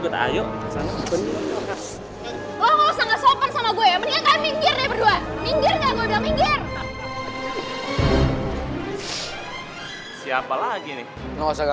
gue cowoknya emang enggak pak